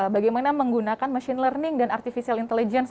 bagaimana menggunakan machine learning dan artificial intelligence